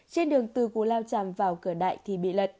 trên đường từ cú lao chảm vào cửa đại thì bị lật